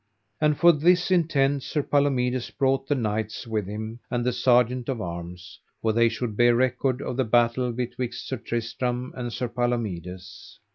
And for this intent Sir Palomides brought the knights with him and the sergeants of arms, for they should bear record of the battle betwixt Sir Tristram and Sir Palomides.